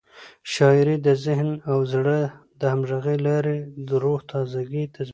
شاعري د ذهن او زړه د همغږۍ له لارې د روح تازه ګي تضمینوي.